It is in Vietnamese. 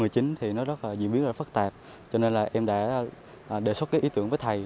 covid một mươi chín diễn biến rất phất tạp cho nên em đã đề xuất ý tưởng với thầy